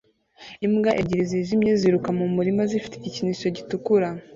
Imbwa ebyiri zijimye ziruka mu murima zifite igikinisho gitukura